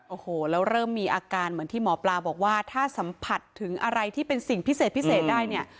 โอ้โหแล้วเริ่มมีอาการเหมือนที่หมอปลาบอกว่าถ้าสัมผัสถึงอะไรที่เป็นสิ่งพิเศษพิเศษได้เนี่ย